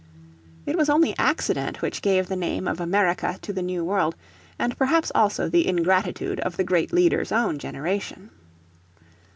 It was only accident which gave the name of America to the New World, and perhaps also the ingratitude of the great leader's own generation.